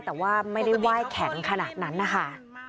แต่ว่าไม่ได้ไหว้แข็งขนาดนั้นนะคะ